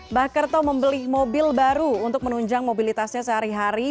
mbah kerto membeli mobil baru untuk menunjang mobilitasnya sehari hari